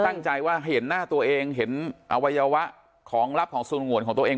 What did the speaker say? ตั้งใจว่าเห็นหน้าตัวเองเห็นอวัยวะของลับของสูญงวนของตัวเอง